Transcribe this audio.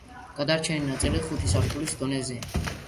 გადარჩენილი ნაწილი ხუთი სართულის დონეზეა.